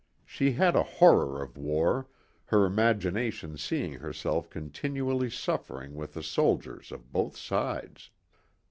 She had a horror of war, her imagination seeing herself continually suffering with the soldiers of both sides.